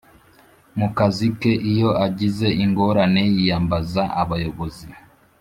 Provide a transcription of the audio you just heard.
mu kazi ke Iyo agize ingorane yiyambaza abayobozi